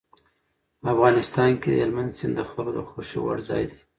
افغانستان کې هلمند سیند د خلکو د خوښې وړ ځای دی.